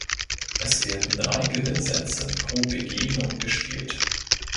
Es werden drei Gewinnsätze pro Begegnung gespielt.